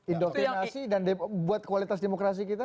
indoktrinasi dan buat kualitas demokrasi kita